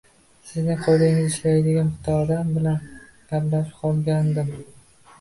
Sizning qo`lingizda ishlaydigan bitta odam bilan gaplashib qolgandim